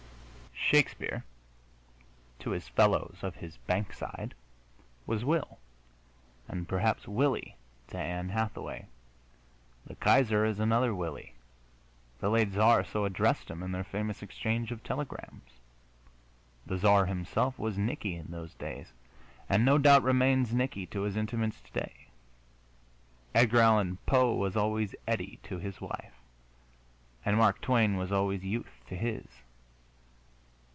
Shakespeare, to his fellows of his Bankside, was Will, and perhaps Willie to Ann Hathaway. The Kaiser is another Willie: the late Czar so addressed him in their famous exchange of telegrams. The Czar himself was Nicky in those days, and no doubt remains Nicky to his intimates today. Edgar Allan Poe was always Eddie to his wife, and Mark Twain was always Youth to his.